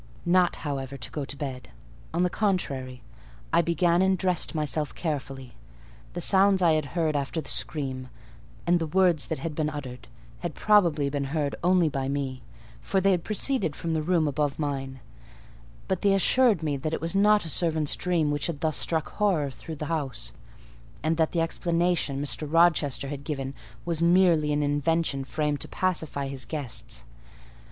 Not, however, to go to bed: on the contrary, I began and dressed myself carefully. The sounds I had heard after the scream, and the words that had been uttered, had probably been heard only by me; for they had proceeded from the room above mine: but they assured me that it was not a servant's dream which had thus struck horror through the house; and that the explanation Mr. Rochester had given was merely an invention framed to pacify his guests.